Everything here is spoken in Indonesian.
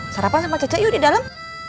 sarapan sama cece yuk di dalam